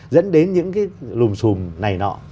dẫn đến những cái lùm xùm này nọ